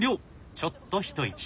ちょっと一息。